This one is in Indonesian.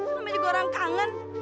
namanya gua orang kangen